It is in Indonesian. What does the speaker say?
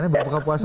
ini berbuka puasa